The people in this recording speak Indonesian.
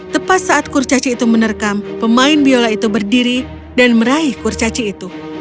tepat saat kurcaci itu menerkam pemain biola itu berdiri dan meraih kurcaci itu